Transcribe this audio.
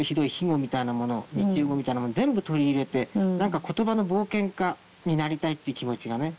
卑語みたいなものを日常語みたいなものを全部取り入れて何か言葉の冒険家になりたいって気持ちがね